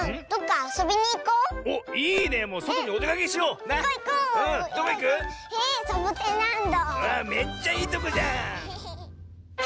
あっめっちゃいいとこじゃん！